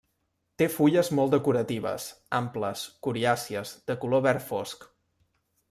Té fulles molt decoratives, amples, coriàcies, de color verd fosc.